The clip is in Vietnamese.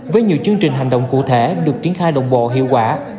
với nhiều chương trình hành động cụ thể được triển khai đồng bộ hiệu quả